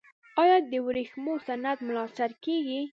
آیا د ورېښمو صنعت ملاتړ کیږي؟